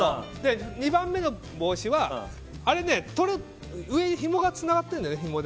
２番目の帽子は上にひもがつながっているんです。